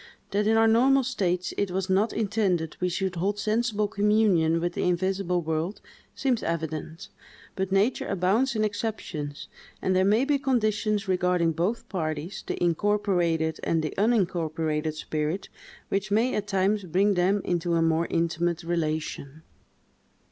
That in our normal states it was not intended we should hold sensible communion with the invisible world, seems evident; but nature abounds in exceptions; and there may be conditions regarding both parties, the incorporated and the unincorporated spirit, which may at times bring them into a more intimate relation.